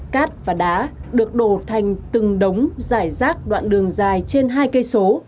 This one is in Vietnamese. cát và đá được đổ thành từng đống giải rác đoạn đường dài trên hai cây số